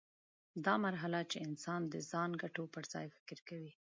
دا مرحله چې انسان د ځان ګټو پر ځای فکر کوي.